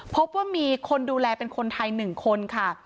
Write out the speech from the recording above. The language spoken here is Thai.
พบว่ามีคนดูแลเป็นคนไทย๑คนค่ะ